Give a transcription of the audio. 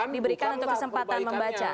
diberikan untuk kesempatan membaca